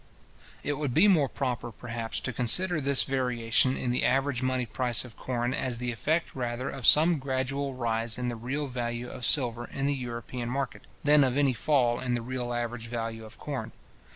It would be more proper, perhaps, to consider this variation in the average money price of corn as the effect rather of some gradual rise in the real value of silver in the European market, than of any fall in the real average value of corn.